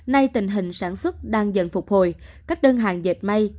nay tình hình sản xuất đang dần phục hồi các đơn hàng dệt may